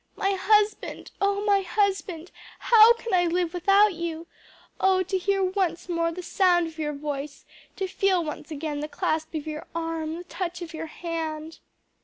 "My husband, oh my husband, how can I live without you! Oh to hear once more the sound of your voice, to feel once again the clasp of your arm, the touch of your hand!"